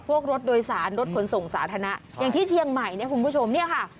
รถโดยสารรถขนส่งสาธารณะอย่างที่เชียงใหม่เนี่ยคุณผู้ชมเนี่ยค่ะ